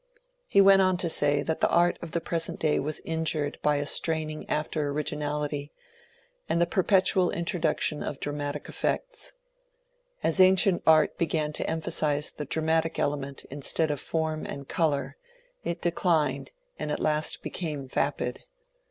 He went on to say that the art of the present day was injured by a straining after originality, and the perpetual introduction of dramatic effects. As ancient art began to em phasize the dramatic element instead of form and colour, it declined, and at last became vapid.